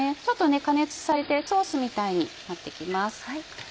ちょっと加熱されてソースみたいになって来ます。